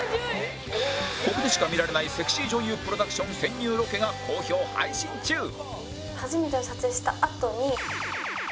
ここでしか見られないセクシー女優プロダクション潜入ロケが好評配信中！